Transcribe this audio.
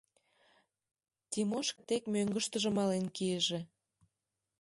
Тимошка тек мӧҥгыштыжӧ мален кийыже».